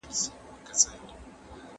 هغه څوک چي بوټونه پاکوي روغ اوسي!.